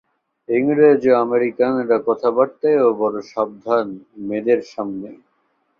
ইংরেজ ও আমেরিকানরা কথাবার্তায়ও বড় সাবধান, মেয়েদের সামনে।